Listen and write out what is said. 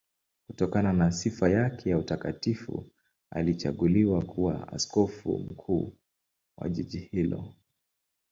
Kutokana na sifa yake ya utakatifu alichaguliwa kuwa askofu mkuu wa jiji hilo.